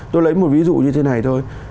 tôi lấy một ví dụ như thế này thôi